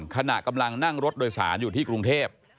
ขณะกำลังนั่งรถโดยสารอยู่ที่กรุงเทพ